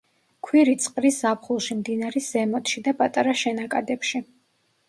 ქვირითს ყრის ზაფხულში მდინარის ზემოთში და პატარა შენაკადებში.